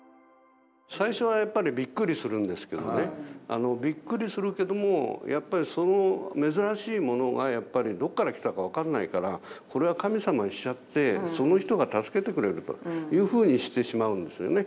最初はやっぱりびっくりするんですけどねびっくりするけどもやっぱりその珍しいものがやっぱりどこから来たか分かんないからこれは神様にしちゃってその人が助けてくれるというふうにしてしまうんですよね。